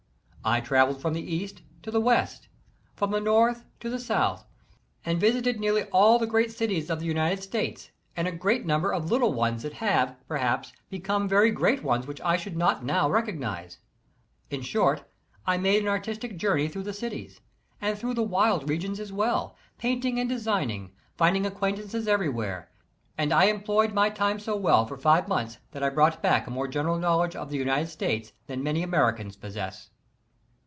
I traveled from the East to the West, from the North to the South, and visited nearly all the great cities of the United States and a great number of little ones that have, perhaps, become very great ones which I should not now recognize. In short, I made an artistic journey through the cities, and through the wild regions as well, painting and designing, finding acquaintances everywhere ; and I employed my time so well for five months that I brought back a more general knowledge of the United States than many Americans possess.